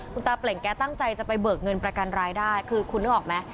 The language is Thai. คุณตาเปล่งแกตั้งใจจะไปเบิกเงินประกันรายได้คือคุณนึกออกไหม